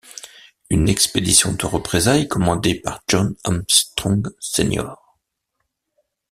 Une expédition de représailles commandée par John Armstrong, Sr.